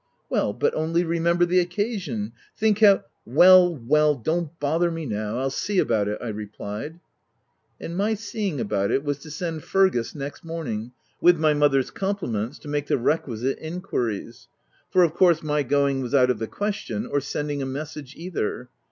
"Well, but only remember the occasion! Think how— "" Well, well, don't bother me now — 111 see about it," I replied. M 3 250 THE TENANT And my seeing about it, was to send Fergus next morning, with my mother's compliments, to make the requisite enquiries ; for, of course, my going was out of the question — or sending a message, either.